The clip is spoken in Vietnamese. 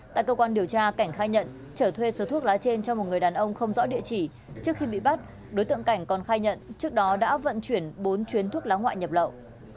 tại cơ quan điều tra cảnh khai nhận trở thuê số thuốc lá trên cho một người đàn ông không rõ địa chỉ trước khi bị bắt đối tượng cảnh còn khai nhận trước đó đã vận chuyển bốn chuyến thuốc lá ngoại nhập lậu